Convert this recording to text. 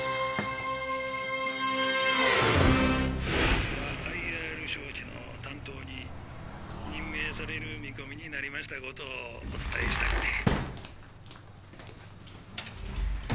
「私がＩＲ招致の担当に任命される見込みになりました事をお伝えしたくて」